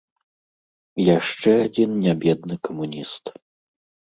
Яшчэ адзін нябедны камуніст.